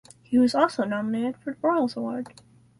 He was also nominated for the Broyles Award.